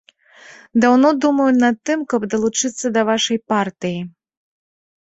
Даўно думаю над тым, каб далучыцца да вашай партыі.